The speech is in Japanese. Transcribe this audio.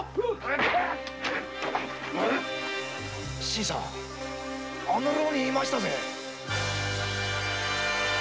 新さんあの浪人がいましたぜ。